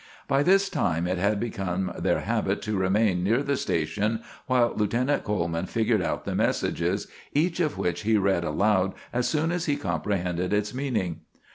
By this time it had become their habit to remain near the station while Lieutenant Coleman figured out the messages, each of which he read aloud as soon as he comprehended its meaning.